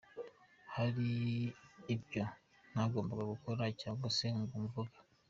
Hari ibyo ntagombaga gukora cyangwa se ngo mvuge.